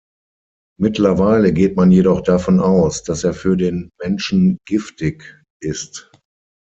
Mittlerweile geht man jedoch davon aus, dass er für den Menschen giftig ist.